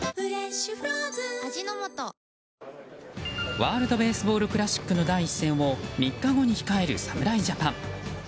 ワールド・ベースボール・クラシックの第１戦を３日後に控える侍ジャパン。